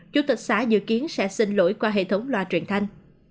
chủ tịch xã dự kiến sẽ xin lỗi qua hệ thống loa truyền thanh